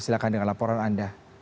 silakan dengan laporan